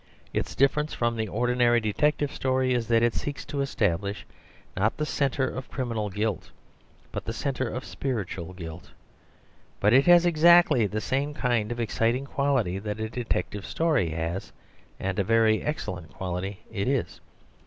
Its difference from the ordinary detective story is that it seeks to establish, not the centre of criminal guilt, but the centre of spiritual guilt. But it has exactly the same kind of exciting quality that a detective story has, and a very excellent quality it is.